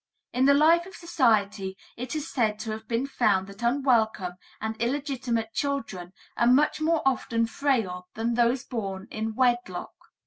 In the life of society it is said to have been found that unwelcome and illegitimate children are much more often frail than those born in wedlock.